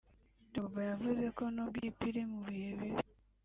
Drogba yavuze ko nubwo ikipe iri mu bihe bibi